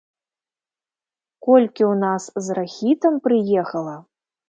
Колькі ў нас з рахітам прыехала!